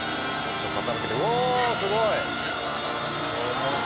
おおすごい！